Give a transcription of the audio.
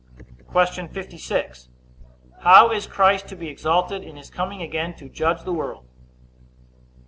Q. 56. How is Christ to be exalted in his coming again to judge the world?